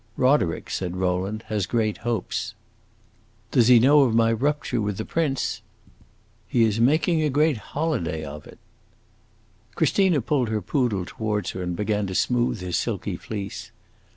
"Roderick," said Rowland, "has great hopes." "Does he know of my rupture with the prince?" "He is making a great holiday of it." Christina pulled her poodle towards her and began to smooth his silky fleece.